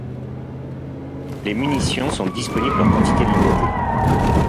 Les munitions sont disponibles en quantité limitée.